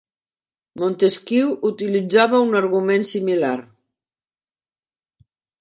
Montesquieu utilitzava un argument similar.